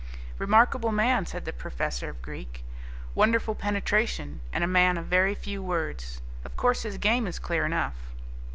"Remarkable man," said the professor of Greek; "wonderful penetration, and a man of very few words. Of course his game is clear enough?"